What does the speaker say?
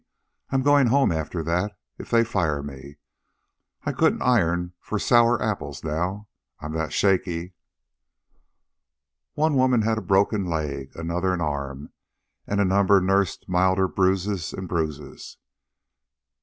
I'm goin' home after that, if they fire me. I couldn't iron for sour apples now, I'm that shaky." One woman had broken a leg, another an arm, and a number nursed milder bruises and bruises.